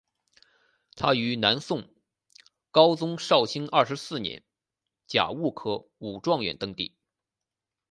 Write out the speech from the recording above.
他于南宋高宗绍兴二十四年甲戌科武状元登第。